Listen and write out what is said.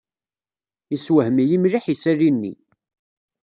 Yessewhem-iyi mliḥ yisali-nni.